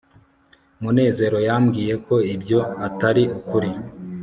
munezero yambwiye ko ibyo atari ukuri